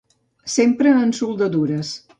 S'empra en soldadures.